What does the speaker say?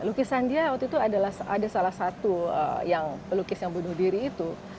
lukisan dia waktu itu adalah ada salah satu yang pelukis yang bunuh diri itu